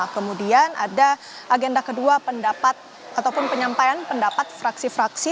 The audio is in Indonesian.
kemudian ada agenda kedua pendapat ataupun penyampaian pendapat fraksi fraksi